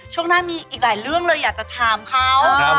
ช่วงหน้ามีอีกหลายเรื่องเลยอยากจะถามเขา